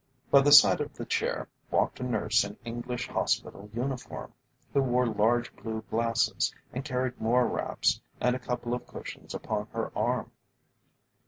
By the side of the chair walked a nurse in English hospital uniform, who wore large blue glasses, and carried more wraps and a couple of cushions upon her arm.